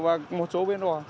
và một số bến đỏ